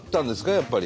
やっぱり。